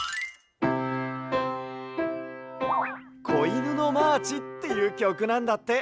「こいぬのマーチ」っていうきょくなんだって。